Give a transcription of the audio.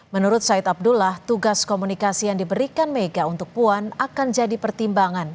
menurut said abdullah tugas komunikasi yang diberikan mega untuk puan akan jadi pertimbangan